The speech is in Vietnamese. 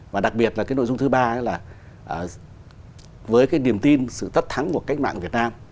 và đặc biệt là cái nội dung thứ ba là với cái niềm tin sự tất thắng của cách mạng việt nam